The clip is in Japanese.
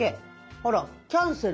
あら「キャンセル」。